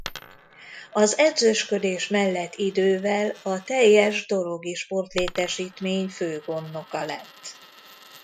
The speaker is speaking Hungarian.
Az edzősködés mellett idővel a teljes dorogi sportlétesítmény fő gondnoka lett.